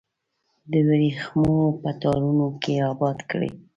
د وریښمو په تارونو کې اباد کړي